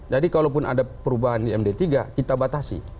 jadi kalaupun ada perubahan di md tiga kita batasi